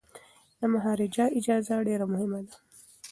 د مهاراجا اجازه ډیره مهمه ده.